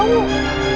aku gak tahu